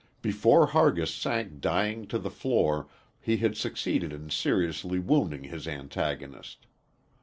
Before Hargis sank dying to the floor, he had succeeded in seriously wounding his antagonist.